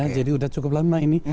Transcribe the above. jadi sudah cukup lama ini